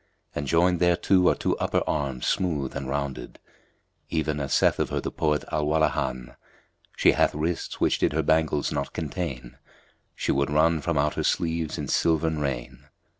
and joined thereto are two upper arms smooth and rounded; even as saith of her the poet Al Walahán,[FN#245] 'She hath wrists which, did her bangles not contain, * Would run from out her sleeves in silvern rain.'